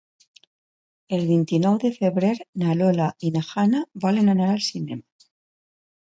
El vint-i-nou de febrer na Lola i na Jana volen anar al cinema.